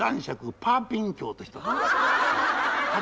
パーピン。